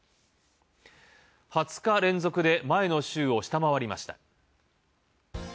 ２０日連続で前の週を下回りました。